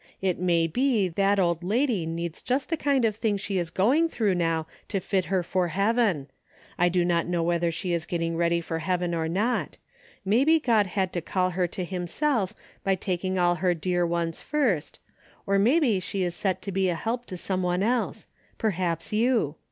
It may be that old lady needs just the kind of thing she is going through now to fit her for heaven. I do not know 246 DAILY BATE." whether she is getting ready for heaven or not. Maybe God had to call her to himself by taking all her dear ones first, or maybe she is set to be a help to some one else, — perhaps you.